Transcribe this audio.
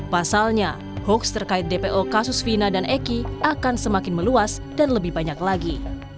pasalnya hoax terkait dpo kasus fina dan eki akan semakin meluas dan lebih banyak lagi